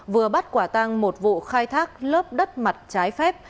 vừa bắt quả tang một vụ khai thác lớp đất mặt trái phép